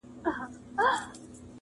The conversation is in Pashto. نړیوال راپورونه پرې زياتيږي